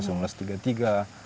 kemudian ya itu